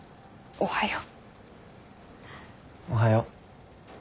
おはよう。